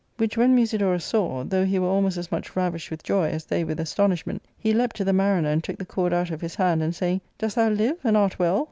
Which when Musidorus saw, though he were almost as much ravished with Joy as they with astonishment, he leapt to the mariner, and took the cord out of his hand, and, saying, " Dost thou live, and art well